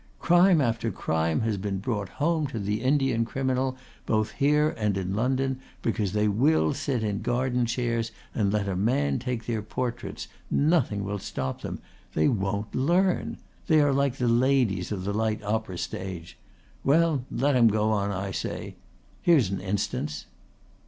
Crime after crime has been brought home to the Indian criminal both here and in London because they will sit in garden chairs and let a man take their portraits. Nothing will stop them. They won't learn. They are like the ladies of the light opera stage. Well, let 'em go on I say. Here's an instance."